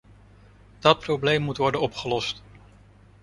Dat probleem moet worden opgelost.